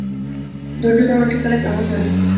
ধৈর্যধারন শেখালে কেমন হয়?